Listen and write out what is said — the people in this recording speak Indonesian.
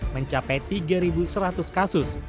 mencapai tiga seratus kasus